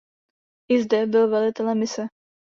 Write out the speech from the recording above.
I zde byl velitelem mise.